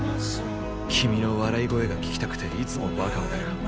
君の笑い声が聞きたくていつもバカをやる。